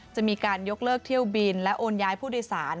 จะมีการยกเลิกเที่ยวบินและโอนย้ายผู้โดยสาร